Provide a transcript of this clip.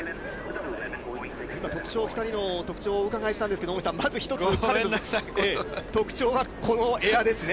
今、特徴、２人の特徴をお伺いしたんですけれども、近江さん、特徴はこのエアですね。